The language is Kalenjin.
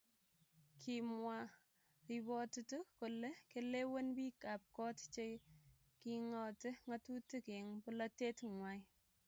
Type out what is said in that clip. Kimwa ripotit kole kelewen bik ab kot che kingote ngatutik eng polatet ngwai